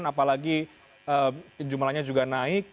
apalagi jumlahnya juga naik